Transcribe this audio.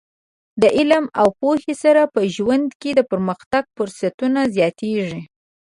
د علم او پوهې سره په ژوند کې د پرمختګ فرصتونه زیاتېږي.